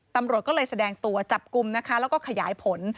ตำรวจก็เลยแสดงตัวจับกลุ่มนะคะแล้วก็ขยายผล